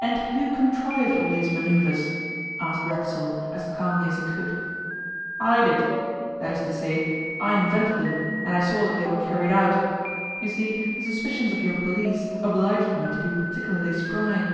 'And who contrived all these manoeuvres?' asked Racksole as calmly as he could. 'I did. That is to say, I invented them and I saw that they were carried out. You see, the suspicions of your police obliged me to be particularly spry.